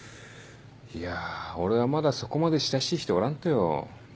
いや俺はまだそこまで親しい人おらんとよ。